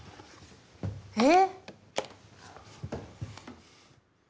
えっ。